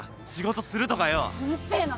うるせえな！